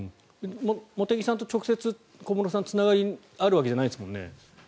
茂木さんと直接小室さんはつながりがあるわけじゃないですもんね。